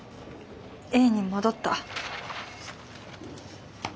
Ａに戻った。